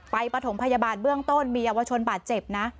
ปฐมพยาบาลเบื้องต้นมีเยาวชนบาดเจ็บนะ